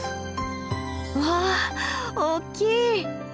わあ大きい！